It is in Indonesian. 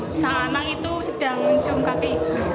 seorang anak itu sedang mencium kaki